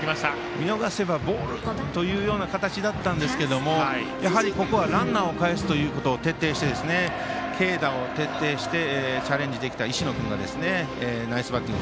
見逃せばボールという形だったんですけどやはりここはランナーをかえすということを徹底して軽打を徹底してチャレンジした石野君がナイスバッティング。